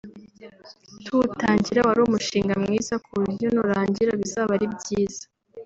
tuwutangira wari umushinga mwiza ku buryo nurangira bizaba ari byiza